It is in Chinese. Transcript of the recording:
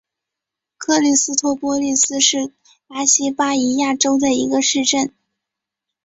克里斯托波利斯是巴西巴伊亚州的一个市镇。